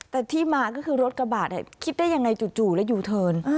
ต้องมาก็คือรถกระบาดหละคิดได้อย่างไรจู่แล้วอยู่เติร์น